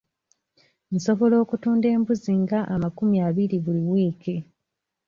Nsobola okutunda embuzi nga amakumi abiri buli wiiki.